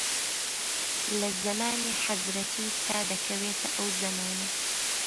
لە زەمانی حەزرەتی تا دەکەوێتە ئەو زەمانە